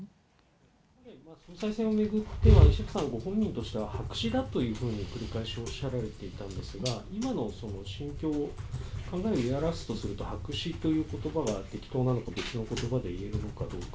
総裁選を巡っては、石破さんご本人としては、白紙だというふうに繰り返しおっしゃられていたんですが、今の心境を表すとすると、適当なのか、別のことばで言えるのかどうか。